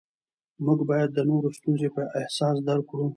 موږ باید د نورو ستونزې په احساس درک کړو